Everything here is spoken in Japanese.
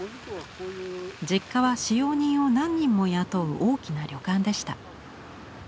実家は使用人を何人も雇う大きな旅館でした。